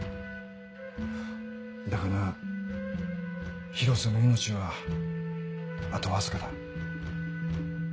だがな広瀬の命はあとわずかだ。